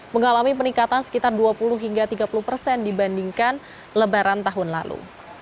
mengalami peningkatan sekitar dua puluh hingga tiga puluh persen dibandingkan lebaran tahun lalu